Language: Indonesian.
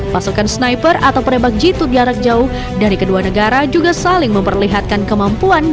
pasukan sniper atau penembak jitu diarak jauh dari kedua negara juga saling memperlihatkan kemampuan